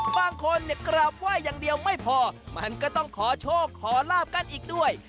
บางคนเนี่ยกราบไหว้อย่างเดียวไม่พอมันก็ต้องขอโชคขอลาบกันอีกด้วย